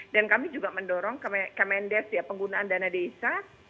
dan kami juga mendorong kemendes penggunaan dana desa